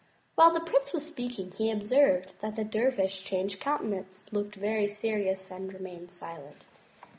While the prince was speaking, he observed that the dervish changed countenance, looked very serious, and remained silent.